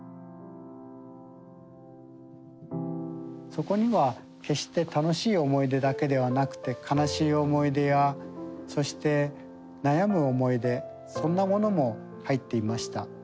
そこには決して楽しい思い出だけではなくて悲しい思い出やそして悩む思い出そんなものも入っていました。